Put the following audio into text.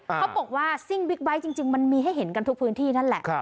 เขาบอกว่าซิ่งบิ๊กไบท์จริงมันมีให้เห็นกันทุกพื้นที่นั่นแหละ